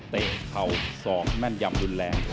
เตะเข่า๒แม่นยำรุนแรง